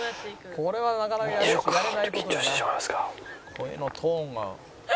「声のトーンが」